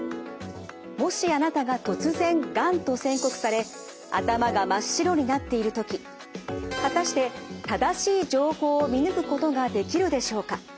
もしあなたが突然がんと宣告され頭が真っ白になっている時果たして正しい情報を見抜くことができるでしょうか？